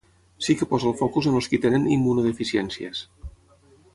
Sí que posa el focus en els qui tenen immunodeficiències.